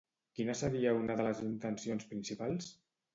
Quina seria una de les intencions principals?